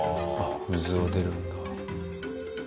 水が出るんだ。